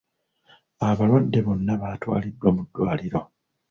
Abalwadde bonna baatwaliddwa mu ddwaliro.